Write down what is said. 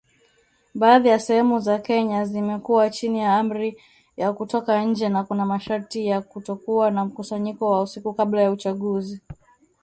Baadhi ya sehemu za Kenya zimekuwa chini ya amri ya kutotoka nje na kuna masharti ya kutokuwa na mikusanyiko ya usiku kabla ya uchaguzi